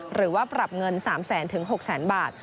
หรือว่าปรับเงิน๓๐๐๐๐๐๖๐๐๐๐๐บาท